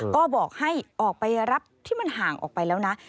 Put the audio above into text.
ก็บอกให้ออกไปรับที่มันห่างออกไปแล้วนะ